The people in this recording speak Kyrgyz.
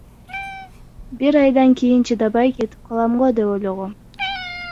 Бир айдан кийин чыдабай кетип калам го деп ойлогом.